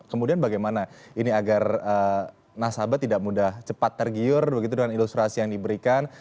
kemudian bagaimana ini agar nasabah tidak mudah cepat tergiur begitu dengan ilustrasi yang diberikan